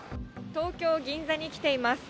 東京・銀座に来ています。